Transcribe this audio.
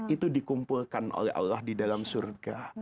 itu dikumpulkan oleh allah di dalam surga